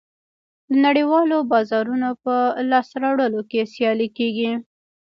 د نړیوالو بازارونو په لاسته راوړلو کې سیالي کېږي